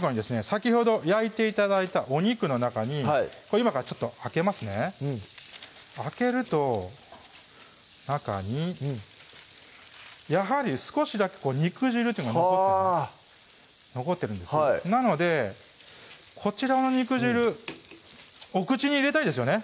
先ほど焼いて頂いたお肉の中に今からちょっと開けますね開けると中にやはり少しだけ肉汁というのが残ってるんですなのでこちらの肉汁お口に入れたいですよね